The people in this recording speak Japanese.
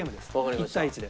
１対１で。